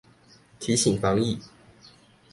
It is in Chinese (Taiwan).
提醒防疫